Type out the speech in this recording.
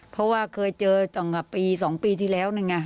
เพราะว่าเคยเจอตั้งแต่ปี๒ปีที่แล้วนั่นไง